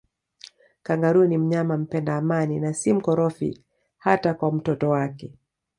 Kangaroo ni mnyama mpenda amani na si mkorofi hata kwa mtoto wake